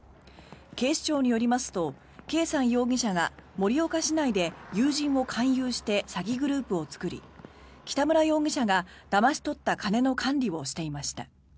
警視庁によりますとケイサン容疑者が盛岡市内で友人を勧誘して詐欺グループを作り北村容疑者がだまし取った金の管理をしていました。